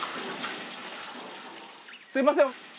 すみません。